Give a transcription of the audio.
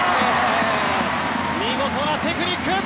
見事なテクニック。